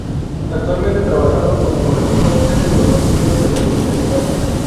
Actualmente trabajando como Corresponsal Jefe de los Noticieros de Televisa en España.